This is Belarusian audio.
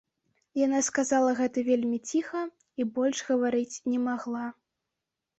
Яна сказала гэта вельмі ціха і больш гаварыць не магла.